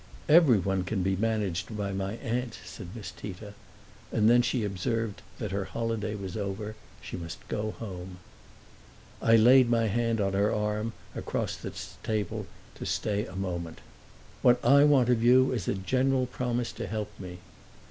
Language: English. "Everyone can be managed by my aunt," said Miss Tita. And then she observed that her holiday was over; she must go home. I laid my hand on her arm, across the table, to stay her a moment. "What I want of you is a general promise to help me."